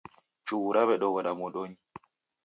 Chughu raw'edoghoda modonyi.